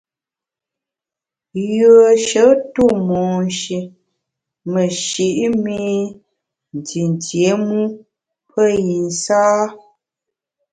Yùeshe tu monshi meshi’ mi ntintié mu pe yi nsâ.